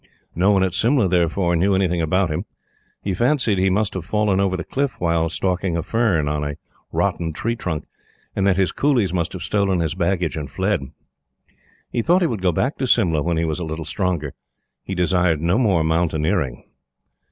No one at Simla, therefore, knew anything about him. He fancied he must have fallen over the cliff while stalking a fern on a rotten tree trunk, and that his coolies must have stolen his baggage and fled. He thought he would go back to Simla when he was a little stronger. He desired no more mountaineering.